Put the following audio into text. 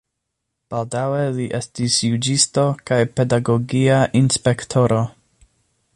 Baldaŭe li estis juĝisto kaj pedagogia inspektoro.